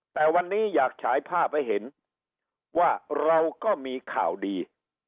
แต่วันนี้อยากฉายภาพให้เห็นว่าเราก็มีข่าวดี